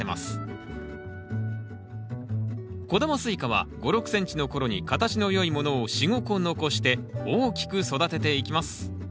小玉スイカは５６ｃｍの頃に形の良いものを４５個残して大きく育てていきます